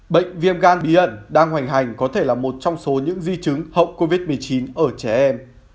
bệnh viêm gan bí ẩn đang hoành hành có thể là một trong số những di chứng hậu covid một mươi chín ở trẻ em